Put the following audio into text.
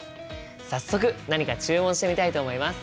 早速何か注文してみたいと思います！